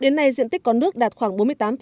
đến nay diện tích con nước đạt khoảng bốn mươi tám một